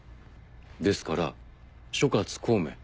ですから諸葛孔明。